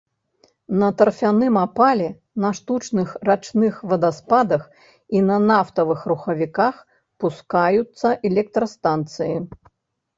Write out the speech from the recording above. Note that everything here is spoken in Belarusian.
На тарфяным апале, на штучных рачных вадаспадах і на нафтавых рухавіках пускаюцца электрастанцыі.